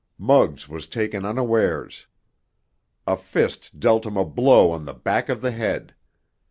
Muggs was taken unawares. A fist dealt him a blow on the back of the head.